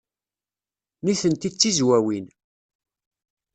Nitenti d Tizwawin.